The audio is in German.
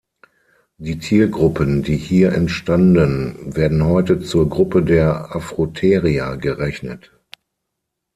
Die Tiergruppen, die hier entstanden, werden heute zur Gruppe der Afrotheria gerechnet.